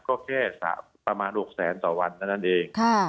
ก็แค่ประมาณ๖แสนต่อวันเท่านั้นเอง